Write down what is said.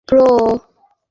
এখন তো হয়ে গেছে।